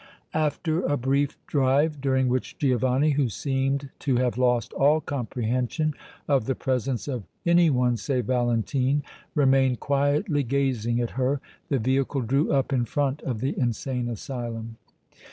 After a brief drive, during which Giovanni, who seemed to have lost all comprehension of the presence of any one save Valentine, remained quietly gazing at her, the vehicle drew up in front of the insane asylum.